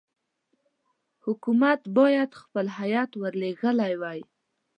حکومت باید خپل هیات ورلېږلی وای.